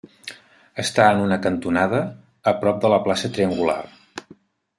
Està en una cantonada, a prop de la plaça Triangular.